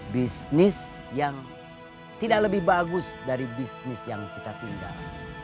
bisnis yang tidak lebih bagus dari bisnis yang kita tinggal